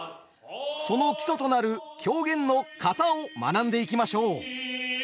その基礎となる狂言の「型」を学んでいきましょう。